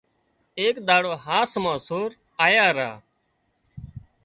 ايڪ ۮاڙو هاس مان سور آيا را